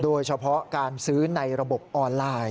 โดยเฉพาะการซื้อในระบบออนไลน์